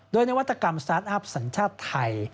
โดยนวัตกรรมสตาร์ทอัพสัญชาติไทย